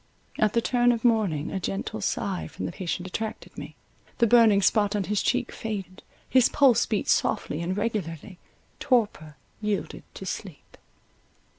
At the turn of morning a gentle sigh from the patient attracted me, the burning spot on his cheek faded—his pulse beat softly and regularly—torpor yielded to sleep.